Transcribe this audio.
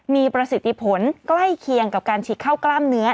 มีประสิทธิผลใกล้เคียงกับการฉีกเข้ากล้ามเนื้อ